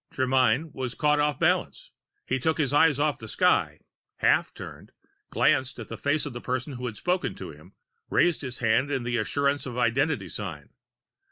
Germyn was caught off balance. He took his eyes off the sky, half turned, glanced at the face of the person who had spoken to him, raised his hand in the assurance of identity sign.